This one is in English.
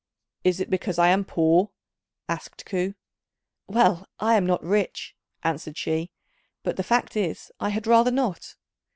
"Is it because I am poor?" asked Ku. "Well, I am not rich," answered she, "but the fact is I had rather not."